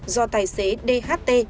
do tài xế dht